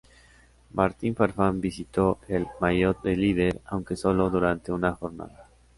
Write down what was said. Martín Farfán vistió el maillot de líder, aunque solo durante una jornada.